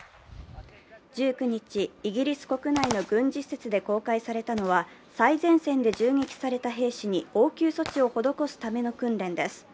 １９日、イギリス国内の軍事施設で公開されたのは最前線で銃撃された兵士に応急措置を施すための訓練です。